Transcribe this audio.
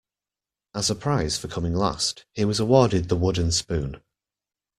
As a prize for coming last, he was awarded the wooden spoon.